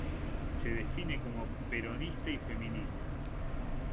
Se define como "peronista y feminista".